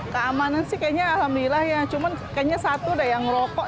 keamanan sih kayaknya alhamdulillah ya cuman kayaknya satu dah yang merokok